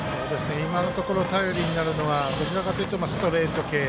今のところ頼りになるのはどちらかというとストレート系。